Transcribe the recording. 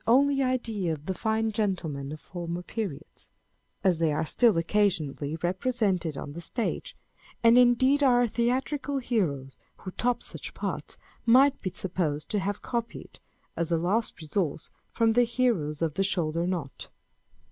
297 # only idea of the fine gentlemen of former periods, as they are still occasionally represented on the stage ; and indeed our theatrical heroes, who top such parts, might be sup posed to have copied, as a last resource, from the heroes of the shoulder knot.